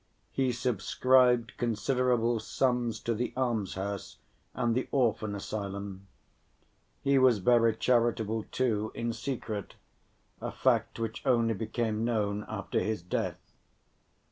He subscribed considerable sums to the almshouse and the orphan asylum; he was very charitable, too, in secret, a fact which only became known after his death.